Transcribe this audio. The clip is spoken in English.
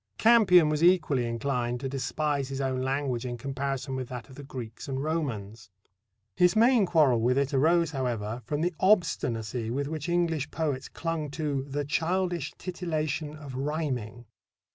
Campion was equally inclined to despise his own language in comparison with that of the Greeks and Romans. His main quarrel with it arose, however, from the obstinacy with which English poets clung to "the childish titillation of rhyming."